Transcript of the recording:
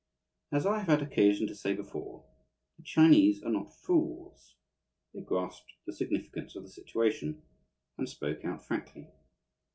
As I have had occasion to say before, the Chinese are not fools. They grasped the significance of the situation, and spoke out frankly.